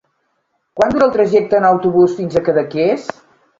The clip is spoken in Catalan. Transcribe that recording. Quant dura el trajecte en autobús fins a Cadaqués?